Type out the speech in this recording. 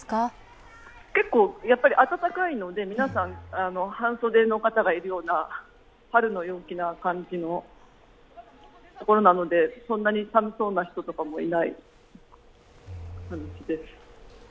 暖かいので、皆さん、半袖の方がいるような、春の陽気な感じのところなので寒そうな人とかもいない感じです。